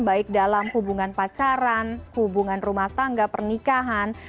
baik dalam hubungan pacaran hubungan rumah tangga pernikahan